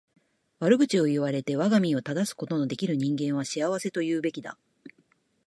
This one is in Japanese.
悪口を言われて我が身を正すことの出来る人間は幸せと言うべきだ。